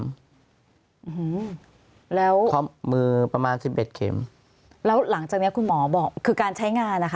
อืมแล้วข้อมือประมาณสิบเอ็ดเข็มแล้วหลังจากเนี้ยคุณหมอบอกคือการใช้งานนะคะ